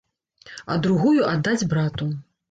А другую аддаць брату.